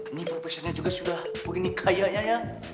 ini profesornya juga sudah begini kayanya ya